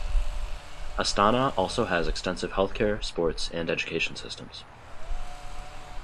Astana also has extensive healthcare, sports and education systems.